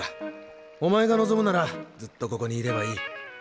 お前が望むならずっとここにいればいい。